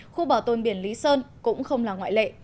khu bảo tồn biển lý sơn cũng không là ngoại lệ